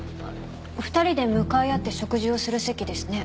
２人で向かい合って食事をする席ですね。